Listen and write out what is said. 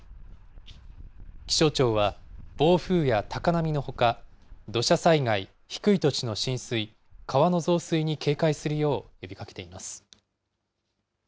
気象庁は、暴風や高波のほか、土砂災害、低い土地の浸水、川の増水に警戒するよう呼びかけています。